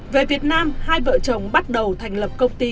về việt nam hai vợ chồng bắt đầu thành lập công ty